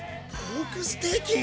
ポークステーキ⁉